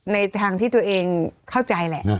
ในทางที่ตัวเองเข้าใจแหละ